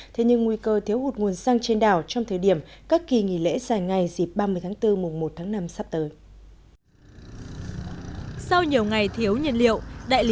thế nhưng nguy cơ thiếu hụt nguồn xăng trên đảo trong thời điểm các kỳ nghỉ lễ dài ngày dịp ba mươi tháng bốn mùa một tháng năm sắp tới